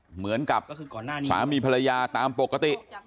เหมือนกับสามีภรรยาตามปกติ